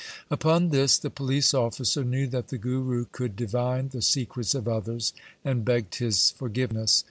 Upon this the police officer knew that the Guru could divine the secrets of others and begged his forgiveness.